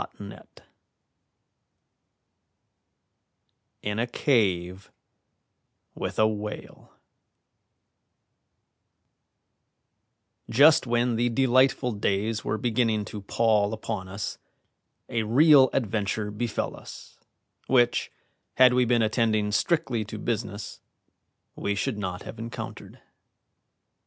Tennyson IN A CAVE WITH A WHALE Just when the delightful days were beginning to pall upon us, a real adventure befell us, which, had we been attending strictly to business, we should not have encountered.